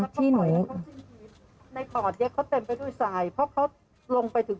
ที่หนู